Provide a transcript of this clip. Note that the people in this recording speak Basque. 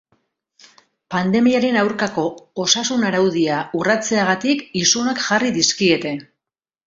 Pandemiaren aurkako osasun araudia urratzeagatik isunak jarri dizkiete.